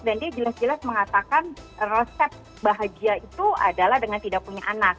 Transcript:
dan dia jelas jelas mengatakan resep bahagia itu adalah dengan tidak punya anak